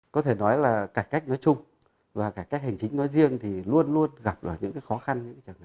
có thể nói là cải cách nói chung và cải cách hành chính nói riêng thì luôn luôn gặp ở những khó khăn